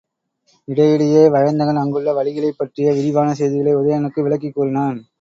இடை யிடையே வயந்தகன் அங்குள்ள வழிகளைப் பற்றிய விரிவான செய்திகளை உதயணனுக்கு விளக்கிக் கூறினான்.